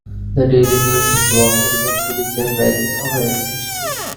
The "Daily News" has won eleven Pulitzer Prizes over its history.